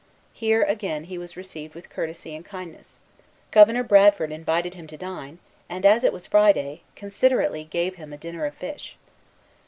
Here, again, he was received with courtesy and kindness. Governor Bradford invited him to dine, and, as it was Friday, considerately gave him a dinner of fish.